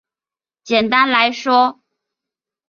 简单来说